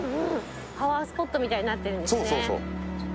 パワースポットみたいになってるんですね